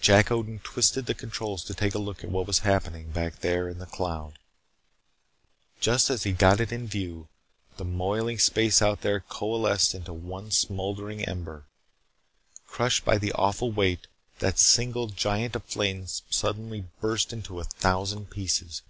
Jack Odin twisted the controls to take a look at what was happening back there in the cloud. Just as he got it in view, the moiling space out there coalesced into one smoldering ember. Crushed by the awful weight, that single giant of flame suddenly burst into a thousand pieces.